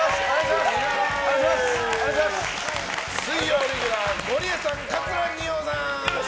水曜レギュラーゴリエさん、桂二葉さん！